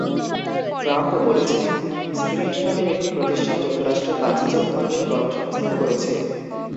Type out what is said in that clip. Trump বলেছেন, Sprint নামের একটি প্রতিষ্ঠান যুক্তরাষ্ট্রে পাঁচ হাজার মানুষের কর্মসংস্থান করছে।